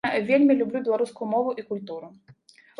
Вельмі люблю беларускую мову і культуру.